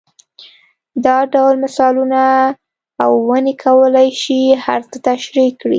دا ډول مثالونه او ونې کولای شي هر څه تشرېح کړي.